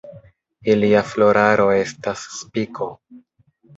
Ilia floraro estas spiko.